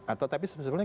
atau tapi sebenarnya